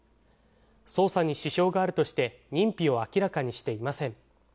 捜査に支障があるとして、認否を明らかにしていません。